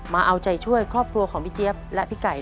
มาเอาใจช่วยครอบครัวของพี่เจี๊ยบและพี่ไก่